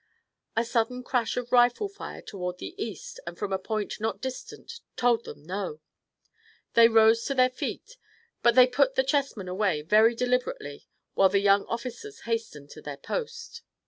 A sudden crash of rifle fire toward the east and from a point not distant told them no. They rose to their feet, but they put the chessmen away very deliberately, while the young officers hastened to their posts.